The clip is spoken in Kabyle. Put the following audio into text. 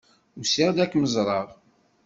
Usiɣ-d ad kem-ẓreɣ.